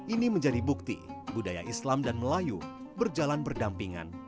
ini menjadi bukti budaya islam dan melayu berjalan berdampingan